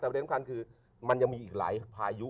แต่เด้นขันคือมันยังมีอีกหลายพายุ